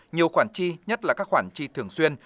nhiều khoản chi nhất là các khoản chi thường xuyên